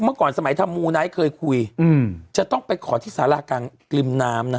เมื่อก่อนสมัยธรรมูนะให้เคยคุยอืมจะต้องไปขอที่ศาลากลางกลิ่มน้ำนะ